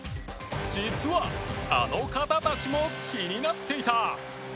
実はあの方たちも気になっていた